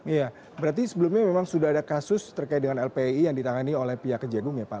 iya berarti sebelumnya memang sudah ada kasus terkait dengan lpi yang ditangani oleh pihak kejagung ya pak